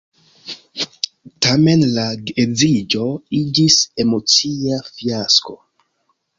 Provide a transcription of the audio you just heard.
Tamen la geedziĝo iĝis emocia fiasko.